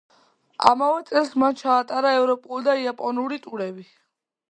ამავე წელს მან ჩაატარა ევროპული და იაპონური ტურები.